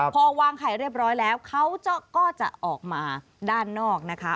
พอวางไข่เรียบร้อยแล้วเขาก็จะออกมาด้านนอกนะคะ